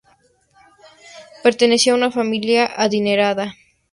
Pertenecía a una familia adinerada.